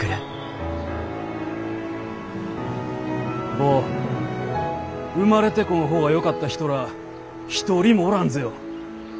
坊生まれてこん方がよかった人らあ一人もおらんぜよ。